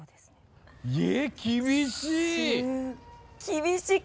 厳しい！